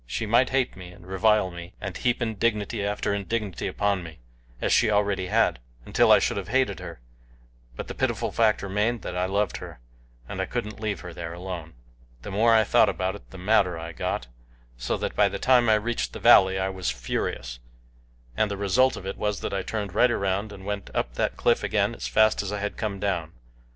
She might hate me, and revile me, and heap indignity after indignity upon me, as she already had, until I should have hated her; but the pitiful fact remained that I loved her, and I couldn't leave her there alone. The more I thought about it the madder I got, so that by the time I reached the valley I was furious, and the result of it was that I turned right around and went up that cliff again as fast as I had come down.